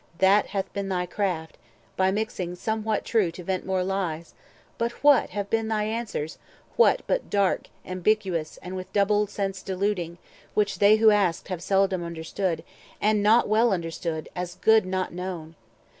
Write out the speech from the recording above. That hath been thy craft, By mixing somewhat true to vent more lies. But what have been thy answers? what but dark, Ambiguous, and with double sense deluding, Which they who asked have seldom understood, And, not well understood, as good not known?